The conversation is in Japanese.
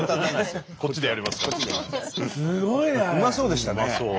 うまそうでしたね。